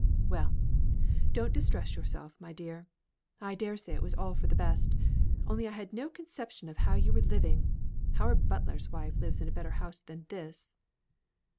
"Well, don't distress yourself, my dear. I dare say it was all for the best, only I had no conception of how you were living. Our butler's wife lives in a better house than this."